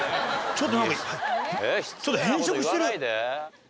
ちょっと変色してる。